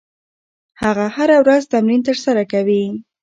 هغه هره ورځ تمرین ترسره کوي.